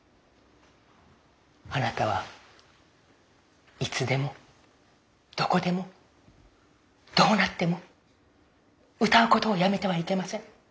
あなたはいつでもどこでもどうなっても歌うことをやめてはいけません。